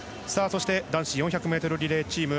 男子４００ｍリレーチームの